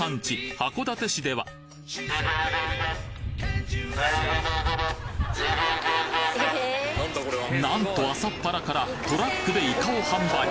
函館市では何と朝っぱらからトラックでイカを販売